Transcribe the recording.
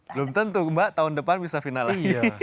belum tentu mbak tahun depan bisa final lagi